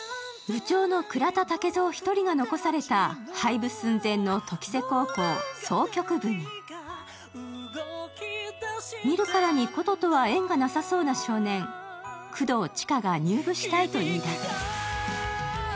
部長の倉田武蔵１人が残された、廃部寸前の時瀬高校箏曲部に見るからに箏とは縁のなさそうな少年、久遠愛が入部したいと言い出す。